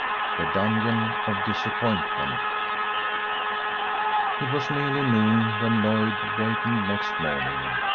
THE DUNGEON OF DISAPPOINTMENT IT was nearly noon when Lloyd wakened next morning.